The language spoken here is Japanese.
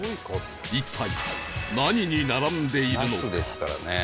一体何に並んでいるのか？